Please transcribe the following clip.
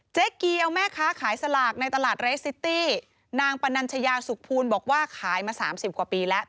เจ๊เกียวแม่ค้าขายสลากในตลาดเรสซิตี้นางปนัญชยาสุขภูลบอกว่าขายมา๓๐กว่าปีแล้ว